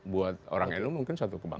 buat orang nu mungkin satu kebangga